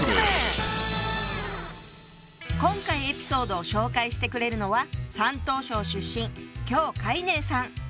今回エピソードを紹介してくれるのは山東省出身姜海寧さん。